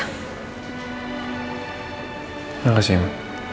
terima kasih ma